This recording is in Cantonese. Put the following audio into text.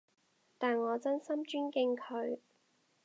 但我真心尊敬佢